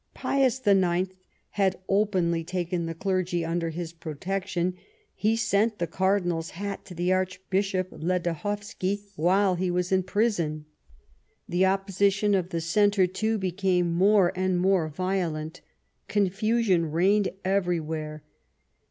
Pius IX had openly taken the clergy under his protection ; he sent the Cardinal's hat to the Arch bishop Ledochowski while he was in prison. The opposition of the Centre, too, became more and more violent ; confusion reigned everywhere.